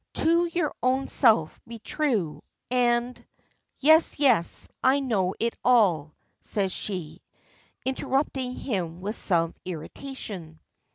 "To your own self be true, And " "Yes, yes; I know it all," says she, interrupting him with some irritation.